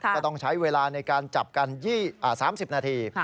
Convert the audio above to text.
ก็ต้องใช้เวลาในการจับกัน๓๐นาที